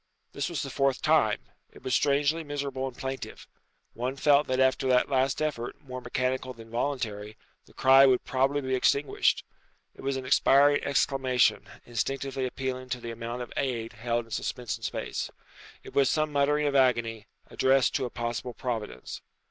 This was the fourth time. It was strangely miserable and plaintive. One felt that after that last effort, more mechanical than voluntary, the cry would probably be extinguished. It was an expiring exclamation, instinctively appealing to the amount of aid held in suspense in space. It was some muttering of agony, addressed to a possible Providence.